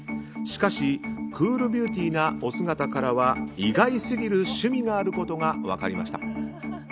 しかし、クールビューティーなお姿からは意外すぎる趣味があることが分かりました。